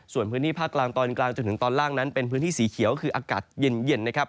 ส่วนพื้นที่ภาคกลางตอนกลางจนถึงตอนล่างนั้นเป็นพื้นที่สีเขียวคืออากาศเย็นนะครับ